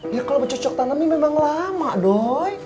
ya kalau bercocok tanam ini memang lama dong